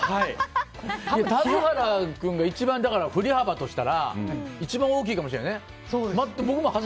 田津原君が一番、振り幅としたら一番大きいかもしれないね。